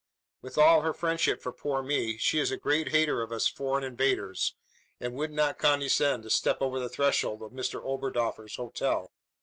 With all her friendship for poor me, she is a great hater of us foreign invaders; and would not condescend to step over the threshold of Mr Oberdoffer's hotel."